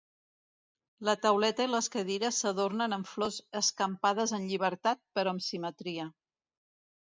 La tauleta i les cadires s'adornen amb flors escampades en llibertat però amb simetria.